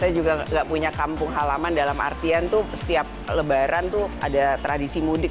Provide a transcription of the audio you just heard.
saya juga nggak punya kampung halaman dalam artian tuh setiap lebaran tuh ada tradisi mudik